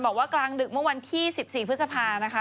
กลางดึกเมื่อวันที่๑๔พฤษภานะคะ